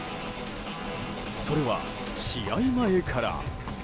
それは試合前から。